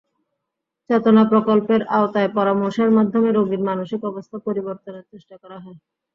চেতনা প্রকল্পের আওতায় পরামর্শের মাধ্যমে রোগীর মানসিক অবস্থা পরিবর্তনের চেষ্টা করা হয়।